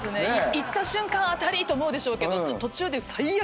行った瞬間当たり！と思うでしょうけど途中で最悪！